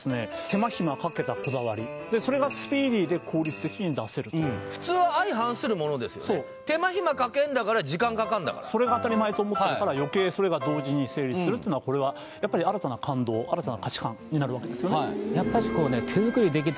手間暇かけたこだわりでそれがスピーディーで効率的に出せると手間暇かけるんだから時間かかるんだからそれが当たり前と思ってるから余計それが同時に成立するっていうのはこれはやっぱり新たな感動新たな価値観になるわけですよね